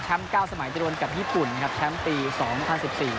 แชมป์๙สมัยเจรวณกับญี่ปุ่นนะครับแชมป์ปี๒๐๑๔